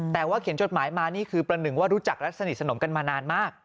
แต่ว่าเขียนจดหมายมานี่คือประหนึ่งว่ารู้จักและสนิทสนมกันมานานมาก